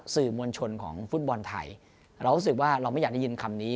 สื่อมวลชนของฟุตบอลไทยเรารู้สึกว่าเราไม่อยากได้ยินคำนี้